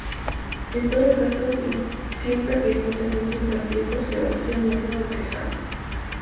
En todo caso, siempre afirmó tener simpatía por Sebastián Lerdo de Tejada.